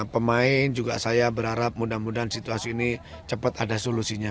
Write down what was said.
pemain juga saya berharap mudah mudahan situasi ini cepat ada solusinya